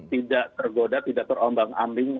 tidak tergoda tidak terombang ambing